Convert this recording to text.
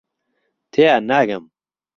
تێیان ناگەم.